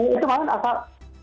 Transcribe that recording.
itu mah asal